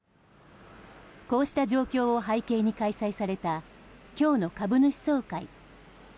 こうした状況を背景に開催された今日の株主総会。